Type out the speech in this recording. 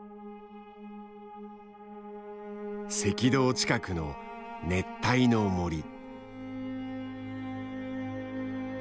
赤道近くの熱帯の森。